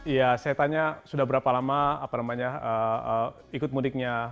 ya saya tanya sudah berapa lama apa namanya ikut mudiknya